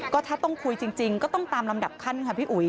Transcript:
ก็ถ้าต้องคุยจริงก็ต้องตามลำดับขั้นค่ะพี่อุ๋ย